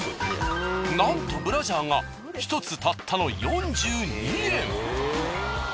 なんとブラジャーが１つたったの４２円。